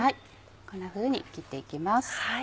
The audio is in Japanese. こんなふうに切っていきます。